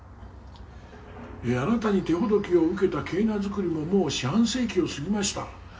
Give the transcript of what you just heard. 「あなたに手ほどきを受けたケーナ作りももう四半世紀を過ぎました」